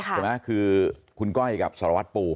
ใช่ไหมคือคุณก้อยกับสารวัตรปู